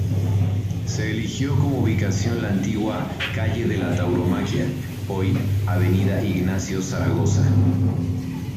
Se eligió como ubicación la antigua "Calle de la Tauromaquia", hoy "Avenida Ignacio Zaragoza".